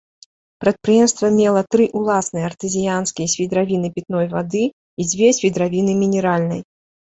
Прадпрыемства мела тры ўласныя артэзіянскія свідравіны пітной вады і дзве свідравіны мінеральнай.